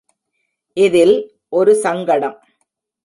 இதில் ஒரு சங்கடம்.